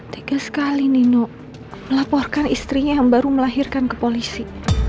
tega sekali nino melaporkan istrinya yang baru melahirkan ke polisi